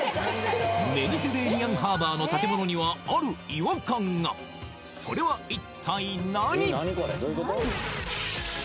メディテレーニアンハーバーの建物にはある違和感がそれは一体何？